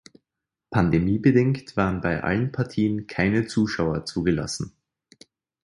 Pandemiebedingt waren bei allen Partien keine Zuschauer zugelassen.